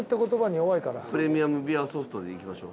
プレミアムびわソフトでいきましょう。